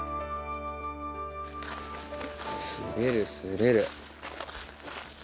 滑る滑る。